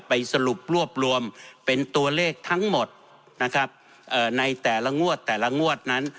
ไปสรุปรวบรวมเป็นตัวเลขทั้งหมดนะครับเอ่อในแต่ละงวดแต่ละงวดนั้น